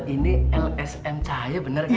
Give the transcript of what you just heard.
ini lsm cahaya bener kan